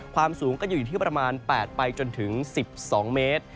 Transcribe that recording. ความสูงก็อยู่ที่ประมาณ๘ไปจนถึง๑๒เมตร